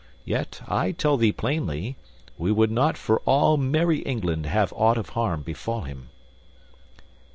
Yet I tell thee plainly, we would not for all merry England have aught of harm befall him."